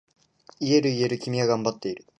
言える言える、君は頑張っている。